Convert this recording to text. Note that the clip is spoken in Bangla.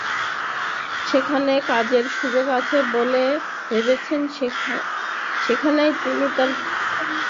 যেখানেই কাজের সুযোগ আছে বলে ভেবেছেন, সেখানেই তিনি তাঁর ভূমিকা রেখেছেন।